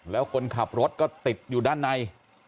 แล้วคนขับรถก็ติดอยู่ด้านใน